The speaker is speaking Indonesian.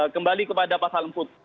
kembali kepada pasal empat